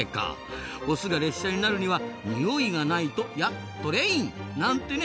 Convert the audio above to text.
オスが列車になるにはニオイがないとやっトレイン。なんてね。